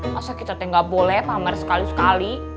masa kita tuh gak boleh pamer sekali sekali